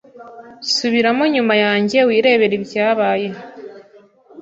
Subiramo nyuma yanjye wirebere ibyabaye.